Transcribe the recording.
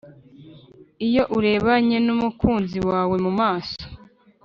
iyo urebanye n’umukunzi wawe mu maso